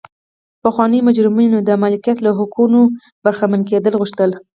پخوانیو مجرمینو د مالکیت له حقونو برخمن کېدل غوښتل.